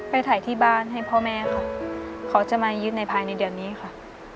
ไปถ่ายที่บ้านให้พ่อแม่ค่ะเขาจะมายึดในภายในเดือนนี้ค่ะ